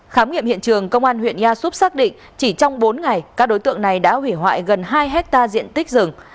khám nghiệm hiện trường công an huyện ea súp xác định chỉ trong bốn ngày các đối tượng này đã hủy hoại gần hai hectare diện tích rừng